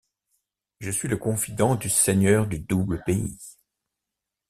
Je suis le confident du Seigneur du Double Pays.